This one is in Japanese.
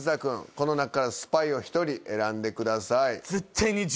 この中からスパイを１人選んでください。